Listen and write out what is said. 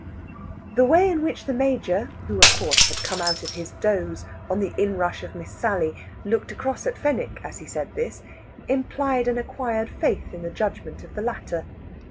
The way in which the Major, who, of course, had come out of his doze on the inrush of Miss Sally, looked across at Fenwick as he said this, implied an acquired faith in the judgment of the latter.